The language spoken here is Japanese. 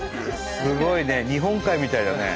すごいね日本海みたいだね。